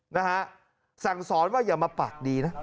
นะฮะสั่งสอนว่าอย่ามาปากดีนะ